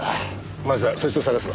まずはそいつを探すぞ。